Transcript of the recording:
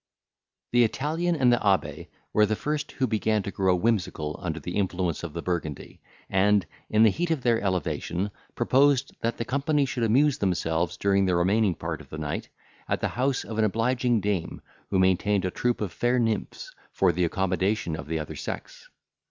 The Italian and the abbe were the first who began to grow whimsical under the influence of the burgundy; and, in the heat of their elevation, proposed that the company should amuse themselves during the remaining part of the night, at the house of an obliging dame, who maintained a troop of fair nymphs for the accommodation of the other sex.